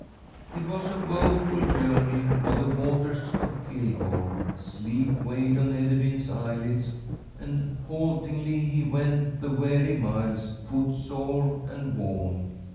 "It was a woful journey to the waters of Kilgore. Sleep weighed on Ederyn's eyelids, and haltingly he went the weary miles, footsore and worn.